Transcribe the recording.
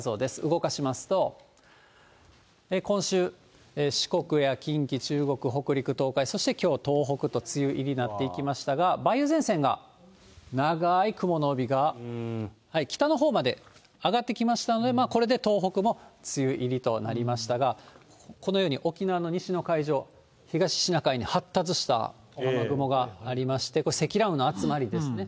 動かしますと、今週、四国や近畿、中国、北陸、東海、そしてきょう東北と、梅雨入りになっていきましたが、梅雨前線が長い雲の帯が、北のほうまで上がってきましたので、これで東北も梅雨入りとなりましたが、このように沖縄の西の海上、東シナ海に発達した雨雲がありまして、積乱雲の集まりですね。